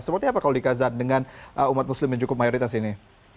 seperti apa kalau di kazat dengan umat muslim yang cukup mayoritas ini